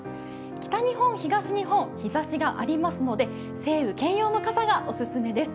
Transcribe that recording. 北日本、東日本、日ざしがありますので、晴雨兼用の傘がオススメです。